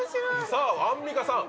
さぁアンミカさん。